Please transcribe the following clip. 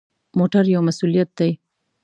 موټر یو مسؤلیت دی.